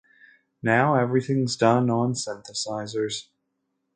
Now, everything's done on synthesizers.